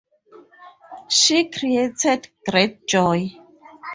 She created great joy.